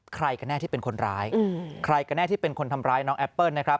ใครกันแน่ที่เป็นคนร้ายใครก็แน่ที่เป็นคนทำร้ายน้องแอปเปิ้ลนะครับ